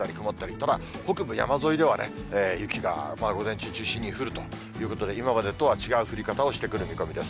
ただ、北部山沿いではね、雪が午前中中心に降るということで、今までとは違う降り方をしてくる見込みです。